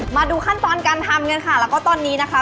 มาดูขั้นตอนการทำกันค่ะแล้วก็ตอนนี้นะคะ